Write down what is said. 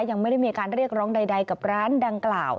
ยังไม่ได้มีการเรียกร้องใดกับร้านดังกล่าว